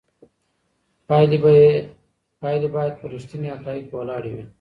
پایلي باید پر رښتیني حقایقو وولاړي وي.